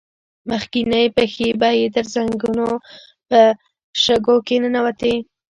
مخکينۍ پښې به يې تر زنګنو په شګو کې ننوتې.